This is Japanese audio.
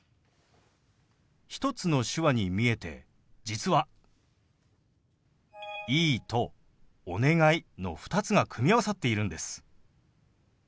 １つの手話に見えて実は「いい」と「お願い」の２つが組み合わさっているんです。